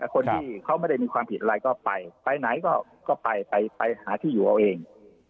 คนที่เขาไม่ได้มีความผิดอะไรก็ไปไปไหนก็ไปไปหาที่อยู่เอาเอง